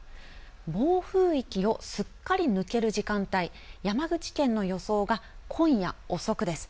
暴風域をすっかり抜ける時間帯、山口県の予想が今夜遅くです。